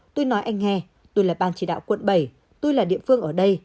tôi nói anh nghe tôi là ban chỉ đạo quận bảy tôi là địa phương ở đây